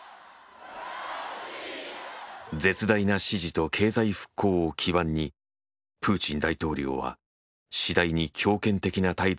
絶大な支持と経済復興を基盤にプーチン大統領は次第に強権的な態度を見せ始めていた。